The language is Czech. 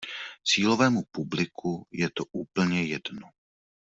Cílovému publiku je to úplně jedno.